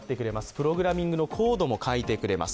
プログラミングのコードも書いてくれます。